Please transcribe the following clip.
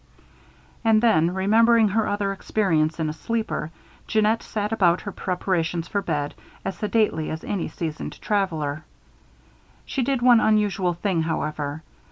And then, remembering her other experience in a sleeper, Jeannette set about her preparations for bed, as sedately as any seasoned traveler. She did one unusual thing, however.